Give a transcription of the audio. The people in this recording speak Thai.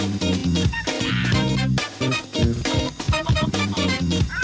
อัดตัด้า